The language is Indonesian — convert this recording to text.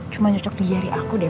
cuma cocok di jari aku deh